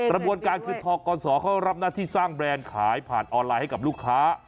กระบวนการคือทกศเขารับหน้าที่สร้างแบรนด์ขายผ่านออนไลน์ให้กับลูกค้า